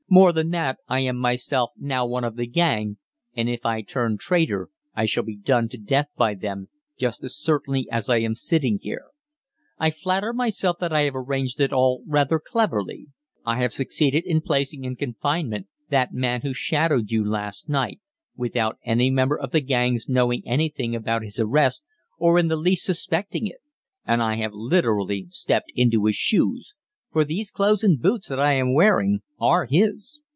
More than that, I am myself now one of the gang, and if I 'turn traitor' I shall be done to death by them just as certainly as I am sitting here. I flatter myself that I have arranged it all rather cleverly I have succeeded in placing in confinement that man who shadowed you last night, without any member of the gang's knowing anything about his arrest or in the least suspecting it, and I have literally stepped into his shoes, for these clothes and boots that I am wearing are his.